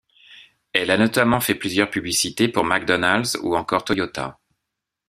Elle a notamment fait plusieurs publicités pour McDonald's ou encore Toyota.